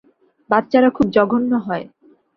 বাচ্চারা খুব জঘন্য হয়।